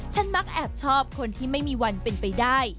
มักแอบชอบคนที่ไม่มีวันเป็นไปได้